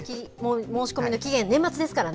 申し込みの期限、年末ですからね。